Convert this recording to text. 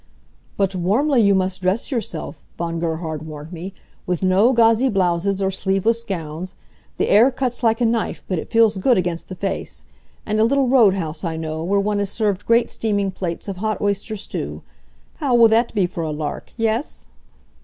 "But warmly you must dress yourself," Von Gerhard warned me, "with no gauzy blouses or sleeveless gowns. The air cuts like a knife, but it feels good against the face. And a little road house I know, where one is served great steaming plates of hot oyster stew. How will that be for a lark, yes?"